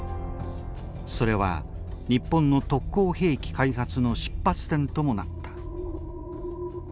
それは日本の特攻兵器開発の出発点ともなった。